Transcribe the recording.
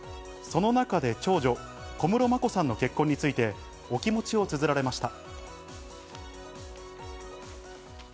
その中で長女・小室眞子さんの結婚についてお気持ちを綴られました。